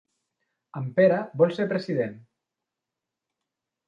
En Pere vol ser president.